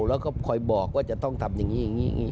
แล้วก็คอยบอกว่าจะต้องทำอย่างนี้อย่างนี้